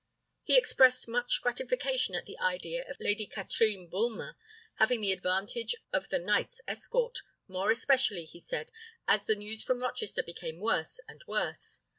He expressed much gratification at the idea of Lady Katrine Bulmer having the advantage of the knight's escort, more especially, he said, as the news from Rochester became worse and worse.